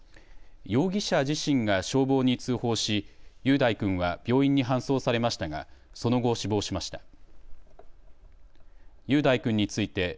容疑者自身が消防に通報し雄大君は病院に搬送されましたがその後、死亡しました。